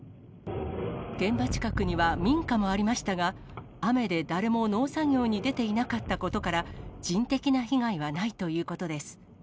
現場近くには民家もありましたが、雨で誰も農作業に出ていなかったことから、人的な被害はないということです。